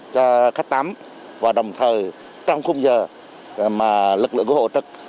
cho khách tắm và đồng thời trong khung giờ mà lực lượng cứu hộ trực